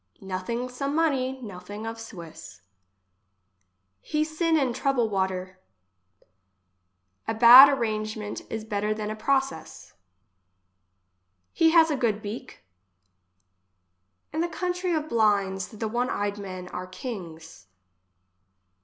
Nothing some money, nothing of Swiss. He sin in trouble water. A bad arrangement is better than a process. He has a good beak. In the country of blinds, the one eyed men are kings.